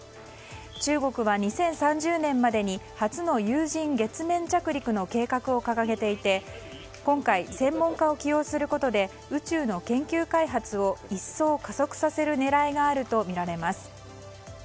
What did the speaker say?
中国は２０３０年までに初の有人月面着陸の計画を掲げていて今回、専門家を起用することで宇宙の研究開発を一層、加速させる狙いがあるとみられます。